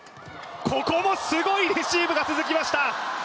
ここもすごいレシーブが続きました！